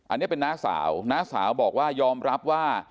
อันนี้เป็นน้าสาวน้าสาวบอกว่ายอมรับว่า